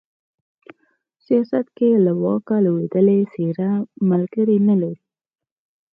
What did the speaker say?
سياست کې له واکه لوېدلې څېره ملگري نه لري